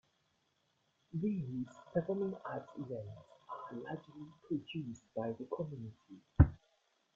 These performing arts events are largely produced by the community.